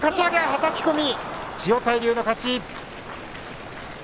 はたき込み、千代大龍の勝ち。